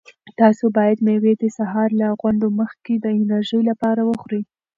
تاسو باید مېوې د سهار له غونډو مخکې د انرژۍ لپاره وخورئ.